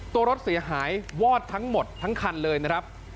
ตัวรถเสียหายวอดทั้งหมดทั้งคันเลยนะครับ